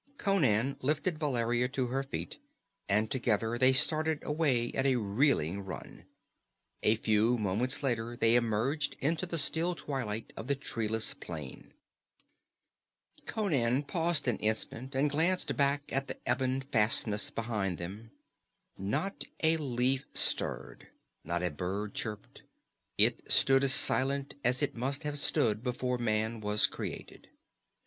Conan lifted Valeria to her feet and together they started away at a reeling run. A few moments later they emerged into the still twilight of the treeless plain. Conan paused an instant and glanced back at the ebon fastness behind them. Not a leaf stirred, nor a bird chirped. It stood as silent as it must have stood before Man was created.